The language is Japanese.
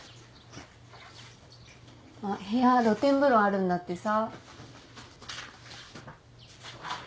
部屋露天風呂あるんだってさ。